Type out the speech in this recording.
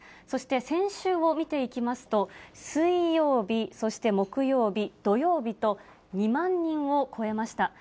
そして、先週を見ていきますと、水曜日、そして木曜日、土曜日と、２万人を超えました。